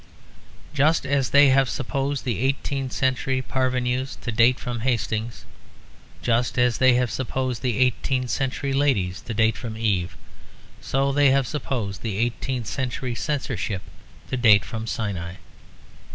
Just as they have supposed the eighteenth century parvenus to date from Hastings, just as they have supposed the eighteenth century ladies to date from Eve, so they have supposed the eighteenth century Censorship to date from Sinai.